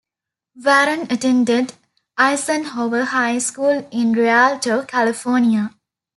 Varon attended Eisenhower High School in Rialto, California.